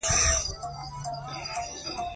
ساندرز وویل، سېمه، له خیره درځئ.